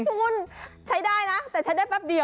เหรอทุกคนใช้ได้นะแต่ใช้ได้แปบเดียว